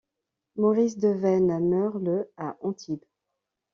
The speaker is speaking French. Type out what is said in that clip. Maurice de Vaines meurt le à Antibes.